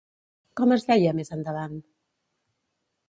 Com es deia més endavant?